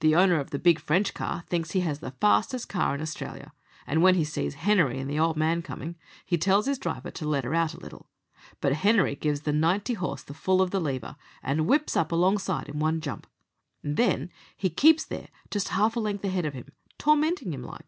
"The owner of the big French car thinks he has the fastest car in Australia, and when he sees Henery and the old man coming, he tells his driver to let her out a little; but Henery gives the ninety horse the full of the lever, and whips up alongside in one jump. And then he keeps there just half a length ahead of him, tormentin' him like.